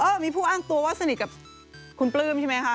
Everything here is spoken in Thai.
มีผู้อ้างตัวว่าสนิทกับคุณปลื้มใช่ไหมคะ